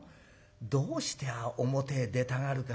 どうして表へ出たがるかね。